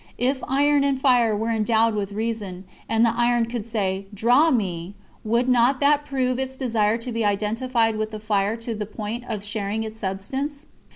If iron and fire were endowed with reason, and the iron could say: "Draw me!" would not that prove its desire to be identified with the fire to the point of sharing its substance?